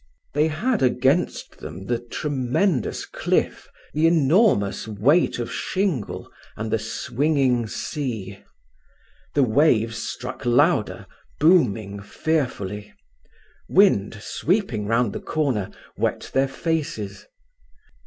They had against them the tremendous cliff, the enormous weight of shingle, and the swinging sea. The waves struck louder, booming fearfully; wind, sweeping round the corner, wet their faces.